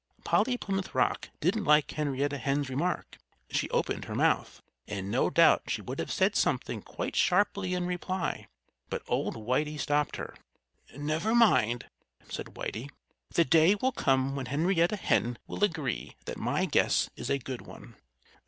Polly Plymouth Rock didn't like Henrietta Hen's remark. She opened her mouth. And no doubt she would have said something quite sharp in reply. But old Whitey stopped her. "Never mind!" said Whitey. "The day will come when Henrietta Hen will agree that my guess is a good one."